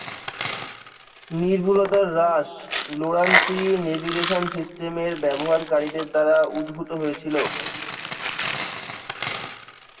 নির্ভুলতার হ্রাস লোরান-সি নেভিগেশন সিস্টেমের ব্যবহারকারীদের দ্বারা উদ্ভূত হয়েছিল।